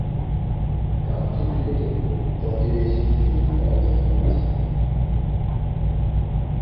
County ক্রিকেটে দলটি বেশ নিচের দিকে অবস্থান করছিল।